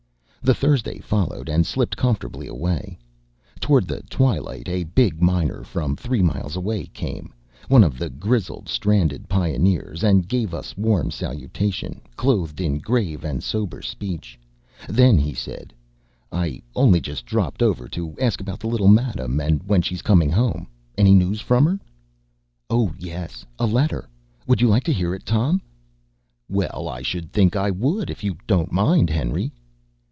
The Thursday followed and slipped comfortably away. Toward twilight a big miner from three miles away came one of the grizzled, stranded pioneers and gave us warm salutation, clothed in grave and sober speech. Then he said: "I only just dropped over to ask about the little madam, and when is she coming home. Any news from her?" "Oh, yes, a letter. Would you like to hear it, Tom?" "Well, I should think I would, if you don't mind, Henry!"